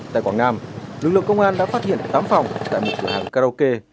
tại quảng nam lực lượng công an đã phát hiện tám phòng tại một cửa hàng karaoke